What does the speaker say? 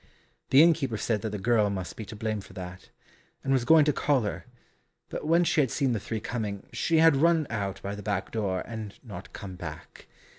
The innkeeper said that the girl must be to blame for that, and was going to call her, but when she had seen the three coming, she had run out by the backdoor, and not come back.